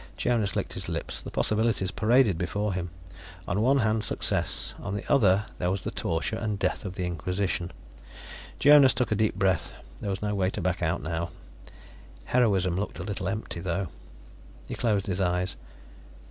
Jonas licked his lips. The possibilities paraded before him; on one hand, success. On the other there was the torture and death of the Inquisition. Jonas took a deep breath; there was no way to back out now. Heroism looked a little empty, though. He closed his eyes.